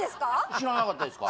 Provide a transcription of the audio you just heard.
知らなかったですか？